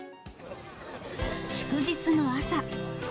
祝日の朝。